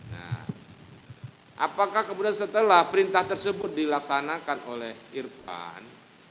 nah apakah kemudian setelah perintah tersebut dilaksanakan oleh irfan